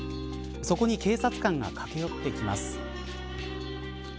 そこに警察官が駆け寄ってきます。